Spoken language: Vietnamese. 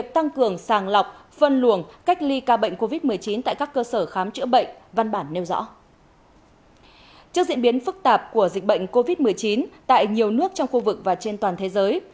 trước diễn biến phức tạp của dịch bệnh covid một mươi chín tại nhiều nước trong khu vực và trên toàn thế giới